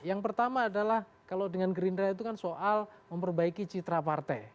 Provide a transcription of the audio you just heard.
yang pertama adalah kalau dengan gerindra itu kan soal memperbaiki citra partai